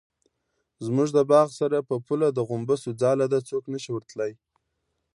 زموږ د باغ سره په پوله د غومبسو ځاله ده څوک نشي ورتلی.